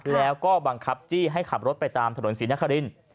แล้วก็บังคับจี้ให้ขับรถไปตามถนนศรีนคริน